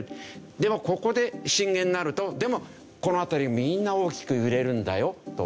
でもここで震源になるとこの辺りみんな大きく揺れるんだよというわけですね。